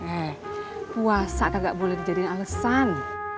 eh puasa nggak boleh dijadiin alesan